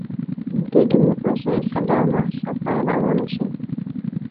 د دیموکراسۍ څلورمه څپه روانه شي.